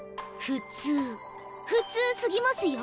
普通普通すぎますよ